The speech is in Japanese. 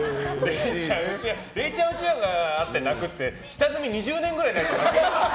れいちゃんうちわがあって泣くって下積み２０年くらいじゃないですか？